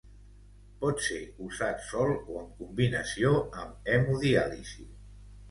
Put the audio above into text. Pot ser usat sol o amb combinació amb hemodiàlisi.